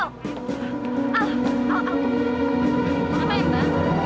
apa yang terjadi